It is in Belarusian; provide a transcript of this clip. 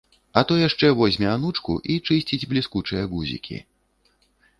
А то яшчэ возьме анучку і чысціць бліскучыя гузікі.